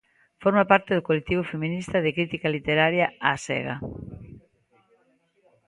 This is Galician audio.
Forma parte do colectivo feminista de crítica literaria A Sega.